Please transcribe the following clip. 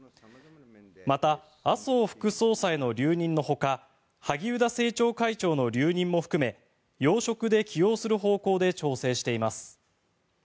また麻生副総裁の留任のほか萩生田政調会長の留任も含め要職で起用する方向で調整しています。